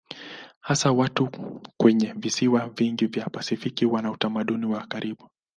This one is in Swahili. Hasa watu kwenye visiwa vingi vya Pasifiki wana utamaduni wa karibu.